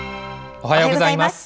おはようございます。